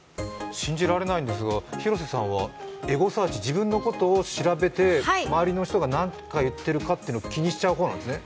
信じられないんですが、広瀬さんはエゴサーチ、自分のことを調べて、周りの人が何言ってるか気にしちゃう方なのね？